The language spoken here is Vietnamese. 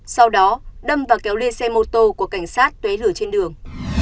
sau đó đâm và kéo lê xe mô tô của cảnh sát tué lửa trên đường